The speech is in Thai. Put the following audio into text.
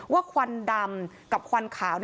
ควันดำกับควันขาว